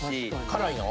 辛いの？